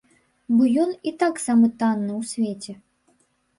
Бо ён і так самы танны ў свеце.